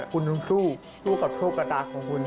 คุณต้องสู้สู้กับโชคกระตาของคุณ